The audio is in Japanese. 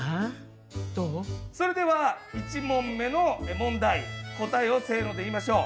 それでは１問目の問題答えをせので言いましょう。